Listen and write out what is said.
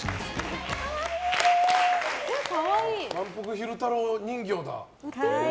昼太郎人形だ。